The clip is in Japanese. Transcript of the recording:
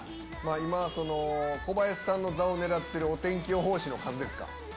今小林さんの座を狙ってるお天気予報士の数ですか。